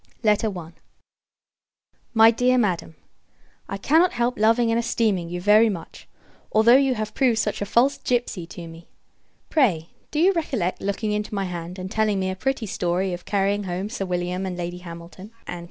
Letters OF SIR ALEXANDER JOHN BALL, &c. I. My Dear Madam, I cannot help loving and esteeming you very much, although you have proved such a false gipsey to me. Pray, do you recollect looking into my hand, and telling me a pretty story of carrying home Sir William and Lady Hamilton, &c.